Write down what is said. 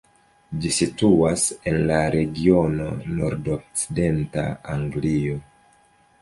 Ĝi situas en la regiono nordokcidenta Anglio.